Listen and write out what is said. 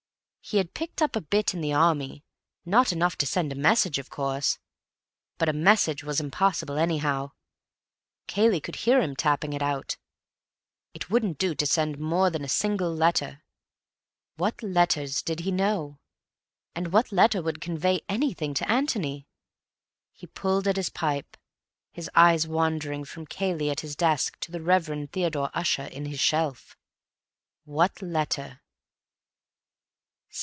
He had picked up a bit in the Army—not enough to send a message, of course. But a message was impossible, anyhow; Cayley would hear him tapping it out. It wouldn't do to send more than a single letter. What letters did he know? And what letter would convey anything to Antony?.... He pulled at his pipe, his eyes wandering from Cayley at his desk to the Reverend Theodore Ussher in his shelf. What letter?